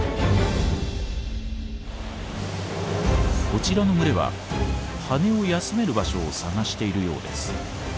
こちらの群れは羽を休める場所を探しているようです。